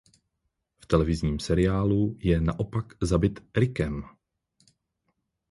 V televizním seriálu je naopak zabit Rickem.